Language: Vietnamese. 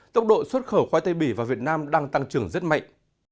tốc độ xuất khẩu khoai tây bỉ vào việt nam đang tăng trưởng rất mạnh